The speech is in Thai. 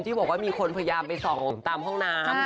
ที่บอกว่ามีคนพยายามไปส่องตามห้องน้ำ